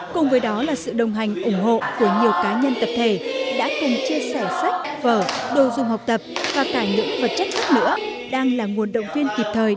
cùng với đó là sự đồng hành ủng hộ của nhiều cá nhân tập thể đã cùng chia sẻ sách vở đồ dùng học tập và cả những vật chất khác nữa đang là nguồn động viên kịp thời